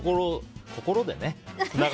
心でね。